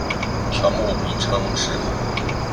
条目名称是